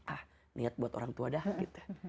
ah niat buat orang tua dah gitu ya